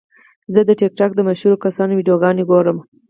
زه د ټک ټاک د مشهورو کسانو ویډیوګانې ګورم.